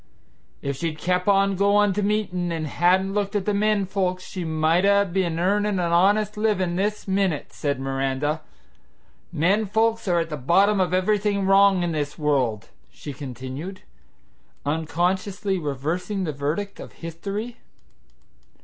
"If she'd kep' on goin' to meetin' an' hadn't looked at the men folks she might a' be'n earnin' an honest livin' this minute," said Miranda. "Men folks are at the bottom of everything wrong in this world," she continued, unconsciously reversing the verdict of history.